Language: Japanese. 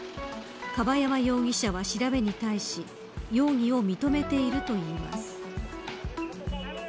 樺山容疑者は調べに対し容疑を認めているといいます。